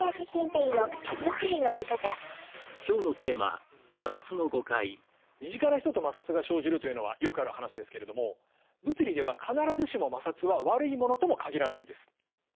小林晋平の身近な人と摩擦が生じるというのはよくある話ですけれども物理では必ずしも摩擦は悪いものとも限らないんです。